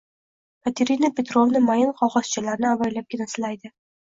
Katerina Petrovna mayin qogʻozchalarni avaylabgina silaydi.